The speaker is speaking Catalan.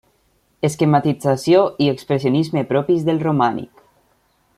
Esquematització i expressionisme propis del romànic.